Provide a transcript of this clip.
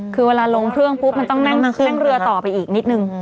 คือเวลาลงเครื่องปุ๊บมันต้องนั่งเรือต่อไปอีกนิดนึง